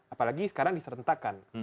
apalagi sekarang diserentakkan